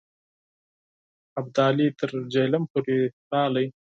ابدالي تر جیهلم پورې راغی.